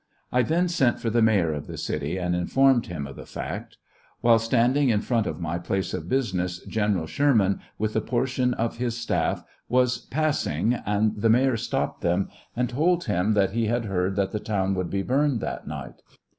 I then sent for the mayor of the city and informed him of the fact. While standing in front of my place of business, Gen eral Sherman with a portion of his staff was passing, and the mayor stopped them, and told him that he had heard that the town would be burned that night.